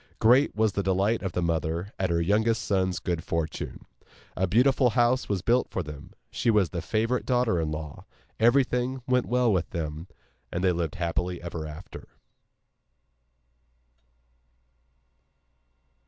Great was the delight of the mother at her youngest son's good fortune. A beautiful house was built for them; she was the favourite daughter in law; everything went well with them, and they lived happily ever after.